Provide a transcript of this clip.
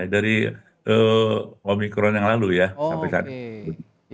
dari omikron yang lalu ya sampai saat ini